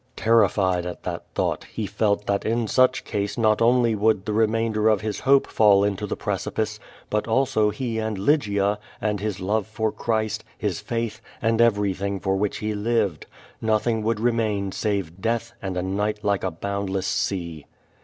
Ter rified at that thought, he felt that in such case not only would the remainder of his hope fall into the precipice, but also he and Lygia, and his love for Christ, his faith, and everj lhing for which he lived. Nothing would remain save death and a night like a boundless sea.